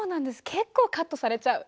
結構、カットされちゃう。